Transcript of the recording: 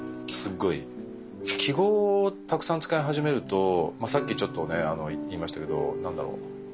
記号をたくさん使い始めるとさっきちょっとね言いましたけど何だろう。